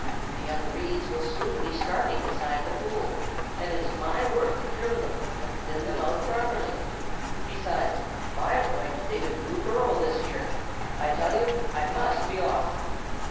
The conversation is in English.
The young reeds will soon be starting beside the pool, and it is my work to trim them and thin them out properly; besides, I am going to dig a new burrow, this year. I tell you I must be off."